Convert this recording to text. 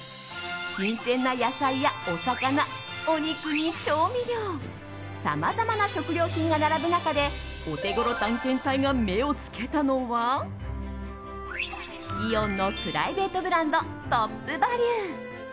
新鮮な野菜やお魚お肉に調味料さまざまな食料品が並ぶ中でオテゴロ探検隊が目を付けたのはイオンのプライベートブランドトップバリュ。